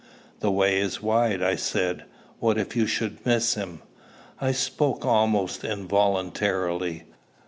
"The way is wide," I said: "what if you should miss him?" I spoke almost involuntarily.